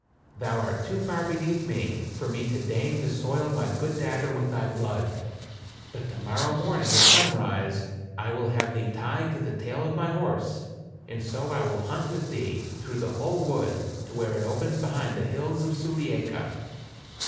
"Thou art too far beneath me for me to deign to soil my good dagger with thy blood ; but to morrow morning, at sunrise, I will have thee tied to the tail of my horse, and so I will hunt with thee through the whole wood, to where it opens behind the hills of Sulieika."